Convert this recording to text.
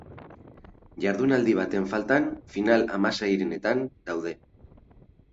Jardunaldi baten faltan, final-hamaseirenetan daude.